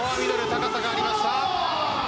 高さがありました。